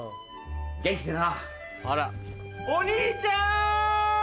元気でな。お兄ちゃん！